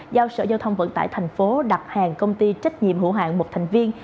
giao sở giao thông vận tải thành phố đặt hàng công ty trách nhiệm hữu hạng một thành viên